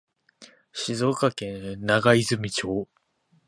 静岡県長泉町